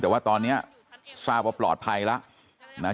แต่ว่าตอนนี้ทราบว่าปลอดภัยแล้ว